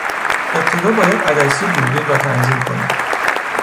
ابتدا باید عدسی دوربین را تنظیم کنی.